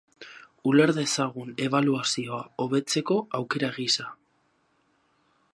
Uler dezagun ebaluazioa hobetzeko aukera gisa.